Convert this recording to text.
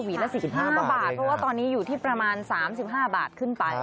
ละ๑๕บาทเพราะว่าตอนนี้อยู่ที่ประมาณ๓๕บาทขึ้นไป